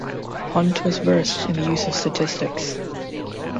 Hunt was versed in the use of statistics.